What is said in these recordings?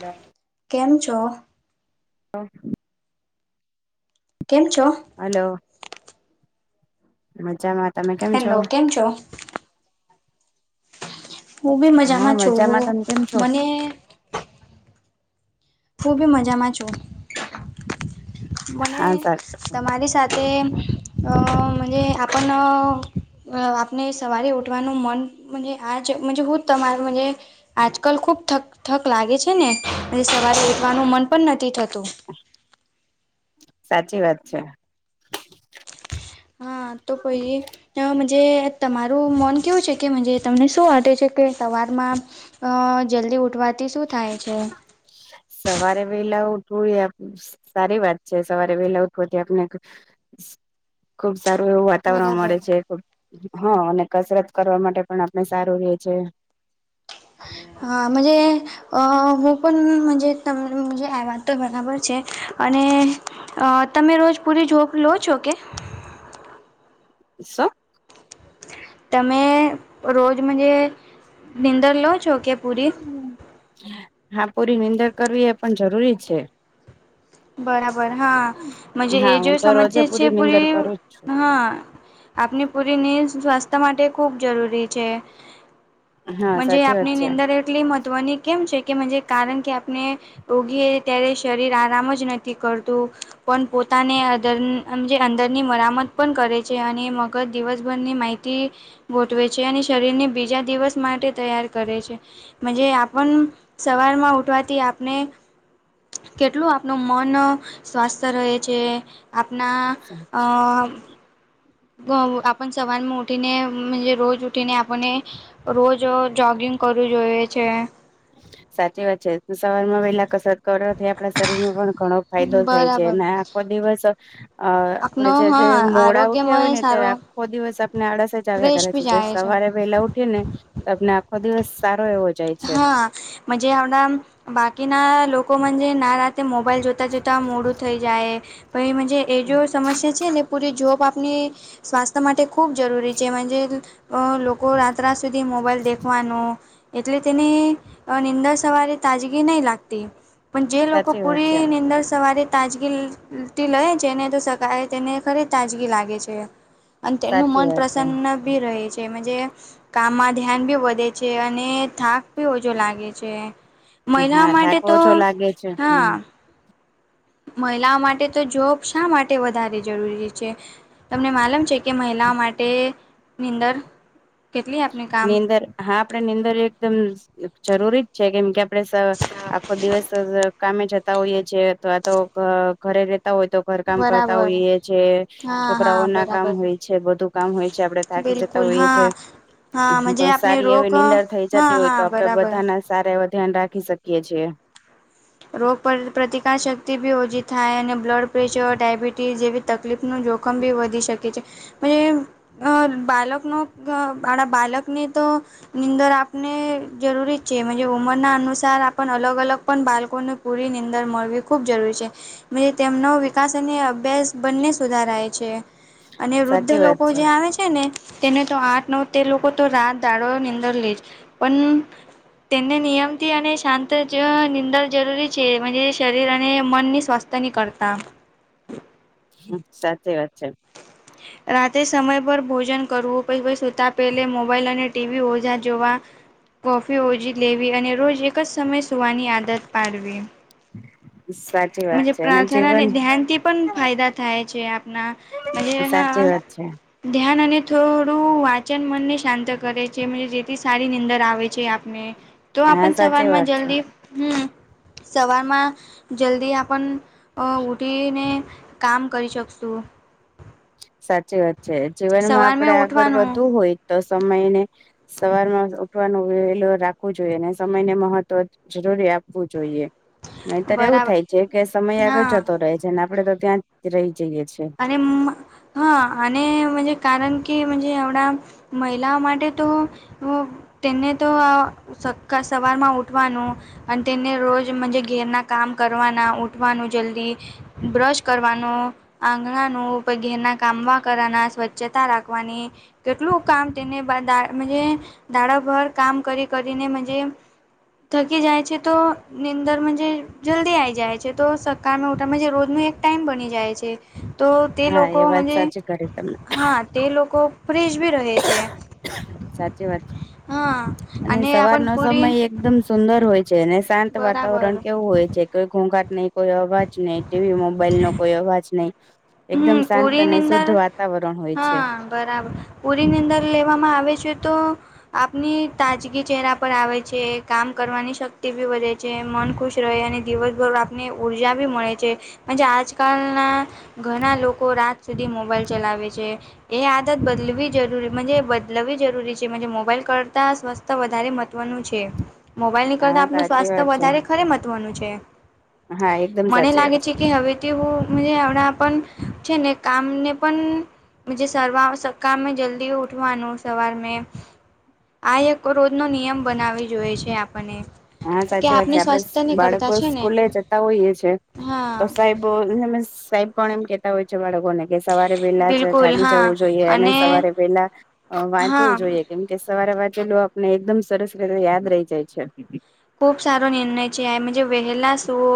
ના. કેમ છો? હા. કેમ છો? હલો. મજામાં. તમે કેમ છો? હેલો, કેમ છો? હું બી હા મજામાં છુ, તમે કેમ છો? મને હુ બી મજામાં છું મને હા સા તમારી સા તેમ અ મને આપણો આપણે સવારે ઉઠવાનું મન મને આજ હું તમારું અયે આજકાલ ખુબ થક થક લાગે છે ને સવારે ઉઠવાનું મન પણ નથી થતુ સાચી વાત છે. હા તો પછ અજ તમારું મન કેવું છે કે તમને શું માટે છે કે સવારમા અ જલ્દી ઉઠવાથી શું થાય છે. સવારે વેલા ઉઠવું સારી વાત છે, સવારે વેલા ઉઠવાથી આપને ખુબ સારું એવું વાતાવરણ બરાબર મળે છે. હા અને કસરત કરવા માટે પણ આપણે સારું રે છે. હા, મજ અ હું પણ તમને આ વાત તો બરાબર છે, અને અ તમે રોજ પૂરી જોપ લો છો, કે શ તમે રોજ મજ નીંદર લો છો, કે પૂરી હા પૂરી મંદર કરવી એ પણ જરૂરી છે. બરાબર હાજ હા એજ હું તો રોજે સમજ્યા છે, નિંદર પૂરી કરું જ છું હા આપની પૂરીની સ્વાસ્થ્ય માટે ખૂબ જરૂરી છે. હા જ સાચી વાત આપની છે. નિંદર મહત્વની કેમ છે કે કારણ કે આપણે રોગી ત્યારે શરીર આરામ જ નથી કરતું પણ પોતાને અ અંદરની મરામત પણ કરે છે અને મગજ દિવસભરની માહિતી ગોઠવે છે અને શરીરને બીજા દિવસ માટે તૈયાર કરે છે. જ આપણ સવારમાં ઉઠવાથી આપને કેટલુ ન મન સ્વસ્થ રહે છે, આપણા આપણ સવારમાં ઉઠીનેજ રોજ ઉઠીને આપણે રોજ જોગિંગ કરવું જોઈએ છે સાચી વાત છે ત સવાર માં વહેલા કસર કરવાથી આપણા શરીરમાં પણ ઘણો ફાયદો થાય છે બરાબર અને આખો દિવસ અ આપનો આપડે જે હા મોડા ઉઠ્યા હોય આરોગ્યમય ને ત્યારે સારો આખો દિવસ આપને આળસ જ આવ્યા ફ્રેશ કરે બી છે જાય સવારે વહેલા ઉઠ ઉઠ ને તો આપને આખો દિવસ સારો એવો જાય છે મ બાકીના મન જે ના રાતે મોબાઈલ જોતા જોતા મોડું થઈ જાય પ મ એ જો સમસ્યા છેને, પૂરી જોબ આપની સ્વાસ્થ્ય માટે ખૂબ જરૂરી છેજ, લોકો રાતરાત સુધી મોબાઈલ દેખવાનો એટલે તેને નીંદર સવારે તાજગી નહી, લાગતી. પણ જે લોકોક સાચી વાત છે પૂરી નિંદર, સવારી તાજગીથી લે જેને તો શકાય તેને ખરે તાજગી લાગે છે. અને તેમનું સાચી મન વાત છે પ્રસન્ન બી રહે છેજ કામમાં ધ્યાન બી વધે છે, અને થાક ભી ઓછો લાગે છે, હા મહિલાઓ થાક માટે તો ઓછો લાગે છે હા હમ. મહિલાઓ માટે તો જોબ શા માટે વધારે જરૂરી છે. તમને માલમ છે કે મહિલાઓ માટેની અંદર નીંદર હા આપડે નીંદર એકદમ જરૂરી જ છે કેમ કે આપણે આખો દિવસ કામે જતા હોઈએ જે અથવા તો ઘરે રેતા હોય તો ઘર કામ કરતા બરાબર હોઈએ છે હા હા છોકરાઓ ના કામ બરાબર હોય છે બધું કામ હોય છે આપડે થાકી જતા બિલકુલ હોઈએ છીએ હા હાજ તો આપણે સારી એવી રોક નિનીંદર થઇ હા જતી હોય હા તો આપડે બરાબર બધાને સારા એવ ધ્યાન રાખી શકીય છીએ રોગ પ્રતિકાર શક્તિ બી ઓછી થાય અને બ્લડ પ્રેશર ડાયબિટીસ જેવી તકલીફનું જોખમ બી વધી શકે છે બાળકનો માણા બાળકને તો નીદર આપને જરૂરી છે ઉંમરના અનુસાર આપ અલગ અલગ પણ બાળ લોકોને પૂરી નીંદણ મળવી ખૂબ જરૂરી છે તેમનો વિકાસ અને અભ્યાસ બંને સુધારાય છે અને વૃદ્ધ સાચી વાત લોકો જે આવે છે ને તેને તો આઠ નવ તેર લોકો તો રાત દાડો નીંદર લેજ પણ તેને નિયમ થી અને શાંત જે નિંદા જરૂરી છેજ શરીર અને મનની સ્વસ્થ ની કરળતા સાચી વાત છે રાતે સમય પર ભોજન કરવું પછતા પેલે મોબાઈલ અને ટીવી ઓજા જોવા કોફી ઓજી લેવી અને રોજ એક જ સમય સુવાની આદત પાડવી સા પ્રાર્થનાને ધ્યાનથી પણ ફાયદા થાય છે આપણા હજ હા સાચી વાત છે ધ્યાન અને થોડું વાચન મનને શાંત કરે છે જેથી સારી નીંદર આવે છે ને તો હા આપણ સાચી સવારમાં વાત છે જલ્દી હમ સવારમાં જલ્દી આપણ ઉઊઠીને કામ કરી શકશું સાચી વાત છે જીવનમાં આપડે સવારમાં આગળ ઉઠવાનું વધવુ હોય તો સમયને સવારમાં ઉઠવાનું રાખવું જોઈએ ને સમયને મહત્વ જરૂરી આપવું જોઈએ નહીતર એવું બરાબર થાય છે કે સમય આગળ હા જતો રહે છે અને આપડે તો ત્યાં જ રહી જઈએ છીએ અને હા અનેજ કારણ કેજ એવડાા મહિલાઓ માટે તો તેને તો સક્ સવારમાં ઉઠવાનું અને તેને રોજજ ઘેરના કામ કરવાના ઉઊઠવાનું જલ્દી બ્રશ કરવાનો આંગણાનું ઉપ ઘેરના કામવા કરવાના સ્વચ્છતા રાખવાની કેટલું કામ તેને ધાડાભર કામ કરી કરીને થકી જાય છે તો નિનીંદર મજ જલ્દી આઈ જાય છે તો કામે ઉઠામાં જે રોજનો એક ટાઈમ બની જાય છે તો તે હા લોકો એ વાત મને સાચી કરી તમે તે લોકો ફ્રેશ બી ર એ છે સાચી વાત છે. હ અને આપણ સવારનો પુરી સમય એકદમ સુંદર હોય છે અને શાંત વાતાવરણ કેવું હોય છે કેઈ ઘોંઘાટ નહીં કોઈ અવાજ નહી ટીવી મોબાઈલ નો કોઈ અવાજ નઈ એકદમ હમ શાંત પૂરી અને ની અંદર શુદ્ધ વાતાવરણ હોય છે હા બરાબર પૂરીની અંદર લેવામાં આવે છે તો આપની તાજગી ચહેરા પર આવે છે કામ કરવાની શક્તિ ભી વધે છે જે મન ખુશ રહે અને દિવસભર આપને ઉર્જા ભી મળે છે આજકાલના ઘણા લોકો રાત સુધી મોબાઈલ ચલાવે છે એ આદત બદલવી જરૂરી મજે બદલાવી જરૂરી છે મજ મોબાઈલ કરતા સ્વ વધ મહત્વનું છે મોબાઈલ ની કરતા હા આપણ સાચી સ્વાસ્થ્ય વાત છે વધારે ખરે મહત્વનું છે હા એકદમ મને સાચી લાગે વાત છે કે હવે તે હું હણા પણ છે ને કામને પણ હુ જે સર્વા સબ કામ મે જલ્દી ઉઠવાનું સવાર મે આ એક રોજ નો નિયમ બનાવી જોઇએ છે આપણો હા સાચી વાત છે આપડે બાળકો ને સ્કૂલે જતા હોઈએ છે તો હા સાહેબ હને મને સાહેબ પણ એમ કે છે હોય છે બાળકોને કે સવારે વહેલા જ બિલકુલ જાગી હા જવું જોઈએ અને સવારે વહેલા હા વાંચવું જોઈએ કેમ કે સવારે વાંચેલું આપને એકદમ સરસ રીતે યાદ રહી જાય છે ખૂબ સારો નિર્ણય છે અને અએમે જ વહેલા સુવો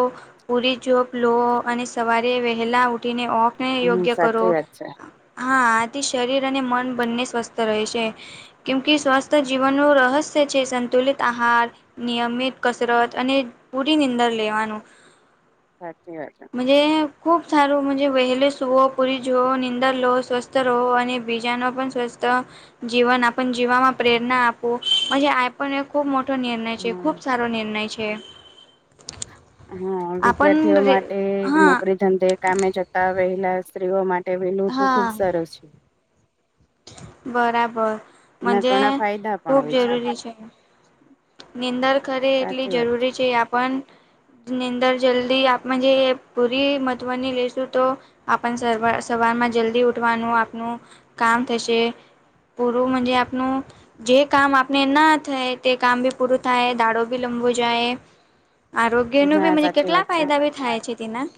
પૂરી જોપ લો અને સવારે વહેલા ઊઠીને વોકને હમ યોગને કરો સાચી વાત છે હા આથી શરીર અને મન બંને સ્વસ્થ રહે છે કેમ સ્વસ્થ જીવનનું રહસ્ય છે સંતુલિત આહાર નિયમિત કસરત અને પૂરી નીંદર લેવાનું સાચી વાત છે મજ ખૂબ સારું વહેલો સૂવો પૂરી જુવઓ નિંદર લો સ્વસ્થ રહો અને બીજાનો પણ. સ્વસ્થ જીવન આપ જીવવામાં પ્રેરણા આપું આ પણ ખૂબ મોટો નિર્ણય. જે હમ ખૂબ સારો નિર્ણય છે. હા વિદ્યાર્થીઓ માટે નોકરી ધંધે કામે જતા વહેલા સ્ત્રીઓ માટે. ટેવેલું તો ખુબ સારો છે. બરાબર એના મજે ઘણા ફાયદા પણ ખૂબ હોય જરૂરી છે. નીંદણ ખરી એટલી સાચી વાત જરૂરી છે આપણ. નીંદર જલ્દી આપમાં જે એ પૂરી મહત્વની લઈશું તો. આપણ સર સવારમાં જલ્દી ઉઠવાનું આપનું કામ થશે. પૂરુંજ આપનું જે કામ આપણે ના થાય તે કામ બી. પૂરું થાય દાડો બી લંબો જાય. આરોગ્ય ને છે બી હા મતલબ સાચી કેટલા વાત છે ફાયદા બી થાય છે તેના.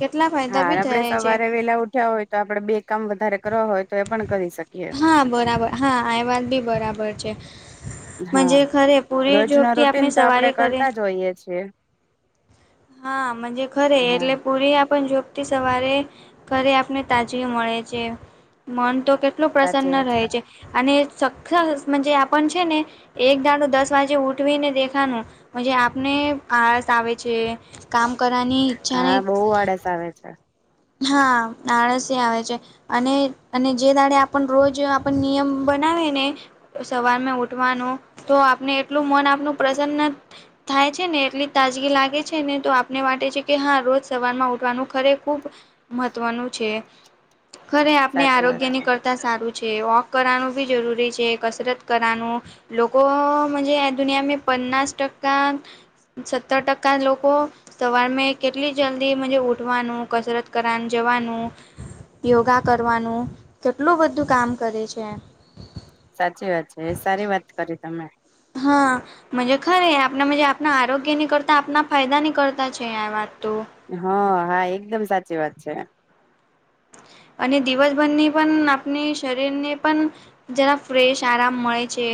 કેટલા ફાયદા હા બી આપડે થાય છે. સવારે વેલા ઉઠ્યા હોય તો આપડે બે કામ વધારે કરવા હોય તો એ પણ કરી શકીએ. હા બરાબર હા આ વાત બી બરાબર છે મજ હા ખરે પૂ. એ રોજ ના જોકે આપણે રૂટીન તો સવારે આપડે કરે. કરતા જ હોઈએ છીએ હા મંજે ખરે હા. એટલે. પૂરી આપણ જોબથી સવારે ઘરે આપને તાજવી મળે છે મન તો કે. એટલું સાચી પ્રસન્ન વાત રહે છે અને મજે આપણ છે ને એક દાડો દસ. આજે. ઉઠવી ને દેખાનું મજે આપને આળસ આવે છે. કામ કરવાની ઈચ્છાને હા બહુ આળસ આવે છે હા આળસ આવે છે. અને અને જે દાડે આપણ રોજ આપણ નિયમ બનાવે ને. સવાર મા ઉઠવાનું તો આપને એટલું મન આપણું પ્રસન્ન. થાય છે ને એટલી તાજગી લાગે છે ને તો આપને વાટે છે કે હા રોજ સવારમાં ઉઠવાનું ખરે ખૂબ. મહત્વનું છે ખરે આપણે સાચી વાત આરોગ્યની છે. કરતા. સારું છે વોક કરવાનું બી જરૂરી છે કસરત કરવાનું લોકો. જ દુનિયામાં પન્સ ટકા સત્તર ટકા લોકો. સવાર મેં કેટલી જલ્દી ઉઠવાનું કસરત કરવા જવાનું. યોગા કરવાનું કેટલું બધું કામ કરે છે. સાચી વાત છે એ સારી વાત કરી તમે. હા. મજૃ ખરે આપણા આપણા આરોગ્ય ની કરતા આપણા ફાયદા ની કરતા છે આ વાત તો. હ હા એકદમ સાચી વાત છે. અને દિવસભરની પણ આપણી શરીરને પણ. જરા ફ્રેશ આરામ મળે છે.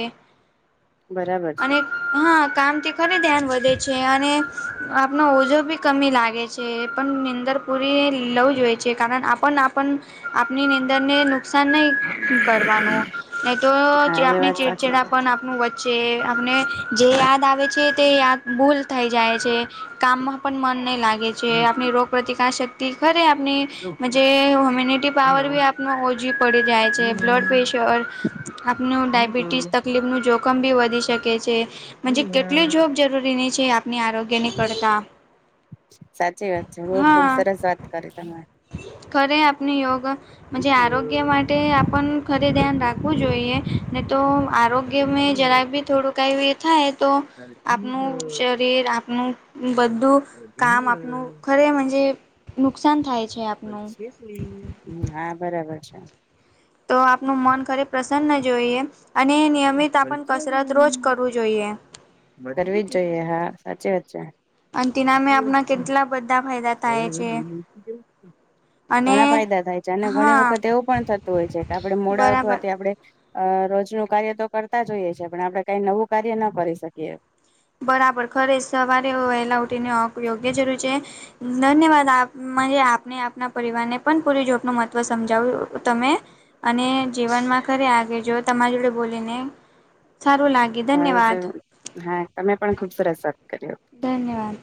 બરાબર અને છે. હા કામથી ખરી ધ્યાન વધે છે અને આપનો ઓજો ભી કમી લાગે છે. છે પણ નીંદર પૂરી લવું જો હોય છે કારણ આપણ આપ આપની નીંદરને. નુકસાન નહીં કરવાનું નહીં તો હા એ આપણે વાત સાચી ચેડચેડા છે. પણ આપ. વચ્ચે આપને જે યાદ આવે છે. તે યા ભૂલ થઈ જાય છે કામમાં પણ મન નહીં લાગે છે આપણી રોગપ્રતિકારશ. તેીખરે આપની. જે હ્યુમ્યુનિટી પાવર બી આપનો ઓછી પડી જાય છે બ્લડ પ્રેશર. આપનું ડાયબિટીસ તકલીફ નું જોખમ બી વધી શકે છે કેટલું જો. જરૂરી નહીં છે આપણી આરોગ્યની કરડતા. સાચી વાત છે હું ખુબ સરસ વાત કરી તમે. કરે આપની યોગ. આરોગ્ય માટે આપણ ખરે ધ્યાન રાખવું જોઈએ ને તો આરોગ્ય મેં જરા બી. થોડું કંઈ એ થાય તો આપણ શરીર આપણ બધું. કામ આપનું ખરેજ નુકસાન થાય છે. આપનું હા બરાબર છે. તો આપનું મન ખરે પ્રસન્ન જોઈએ અને એ નિયમિત આપણ કસરત રોજ કરવું જોઈએ કરવી જ જોઈએ હા સાચી વાત છે અંતિના મેં આપણા કેટલા બધા ફાયદા થાય છે [inaudible] અને ઘણા ફાયદા થાય છે અને ઘણી હા વખત એવું પણ થતું હોય છે કે આપડણે મોડા બરાબર ઉઠવાથી આપણે અ રોજનું કાર્ય તો કરતા જઈએ છીએ પણ આપડણે કઈ નવું કાર્ય ના કરી શકીએ બરાબર ખરે સવારે વહેલા ઉઠીને યોગ્ય જરૂર છે ધન્યવાદ આપ આપને આપના પરિવારને પણ પૂરી જોપનું મહત્ત્વ સમજાવ તમે અને જીવનમાં ઘરે આગે જો તમારી જોડે બોલીને સારું લાગે ધન્યવાદ સરસ હા તમે પણ ખુબ સરસ વાત કર્યો ધન્યવાદ